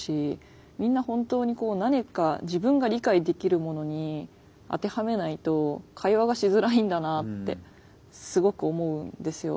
みんな本当に何か自分が理解できるものに当てはめないと会話がしづらいんだなってすごく思うんですよ。